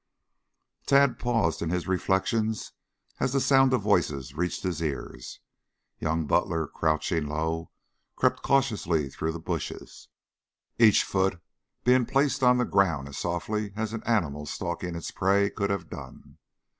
Tad paused in his reflections as the sound of voices reached his ears. Young Butler, crouching low, crept cautiously through the bushes, each foot being placed on the ground as softly as an animal stalking its prey could have done.